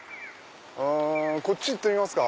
こっち行ってみますか。